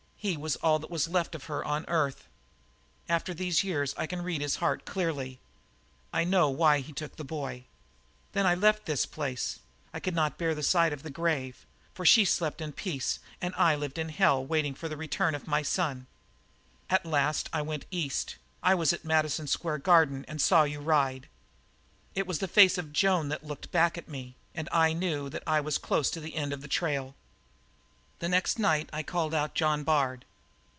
He was all that was left of her on earth. After these years I can read his heart clearly; I know why he took the boy. "Then I left this place. I could not bear the sight of the grave; for she slept in peace, and I lived in hell waiting for the return of my son. "At last I went east; I was at Madison Square Garden and saw you ride. It was the face of Joan that looked back at me; and I knew that I was close to the end of the trail. "The next night I called out John Bard.